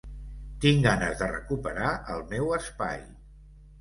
Tinc ganes de recuperar el meu espai.